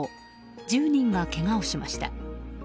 １０人がけがをしました。